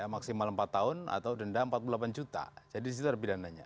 maksimal empat tahun atau denda empat puluh delapan juta jadi disitu ada pidananya